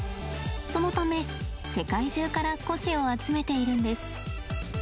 そのため世界中から古紙を集めているんです。